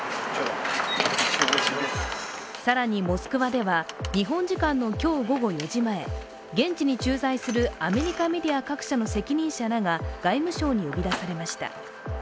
更にモスクワでは、日本時間の今日午後２時前、現地に駐在するアメリカメディア各社の責任者らが外務省に呼び出されました。